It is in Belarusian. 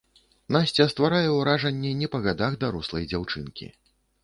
Насця стварае ўражанне не па гадах дарослай дзяўчынкі.